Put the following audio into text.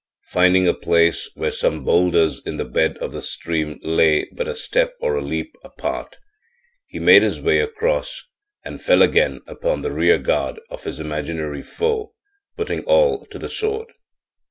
Finding a place where some bowlders in the bed of the stream lay but a step or a leap apart, he made his way across and fell again upon the rear guard of his imaginary foe, putting all to the sword.